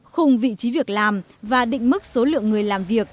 khung vị trí việc làm và định mức số lượng người làm việc